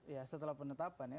ya setelah penetapan ya